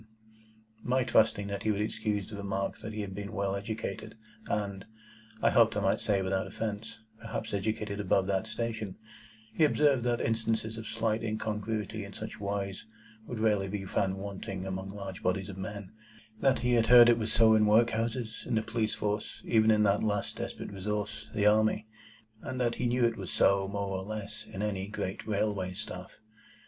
On my trusting that he would excuse the remark that he had been well educated, and (I hoped I might say without offence) perhaps educated above that station, he observed that instances of slight incongruity in such wise would rarely be found wanting among large bodies of men; that he had heard it was so in workhouses, in the police force, even in that last desperate resource, the army; and that he knew it was so, more or less, in any great railway staff.